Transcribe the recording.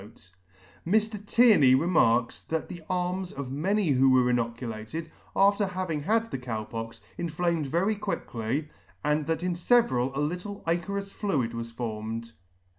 Tierny remarks, that the arms of many who were inoculated, after having had the Cow Pox, inflamed very quickly, and that in feveral a little ichorous fluid was formed."